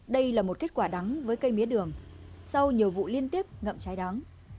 đây là một kết quả đắng với cây mía đường sau nhiều vụ liên tiếp ngậm cháy đắng